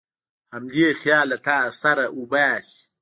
حملې خیال له سره وباسي.